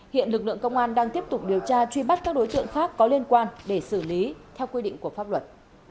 hiện lực lượng công an đang tiếp tục điều tra truy bắt các đối tượng khác có liên quan để xử lý theo quy định của pháp luật